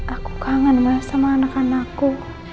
aku kangen banget sama anak anakku